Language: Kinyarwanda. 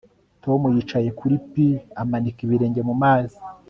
Tom yicaye kuri pir amanika ibirenge mu mazi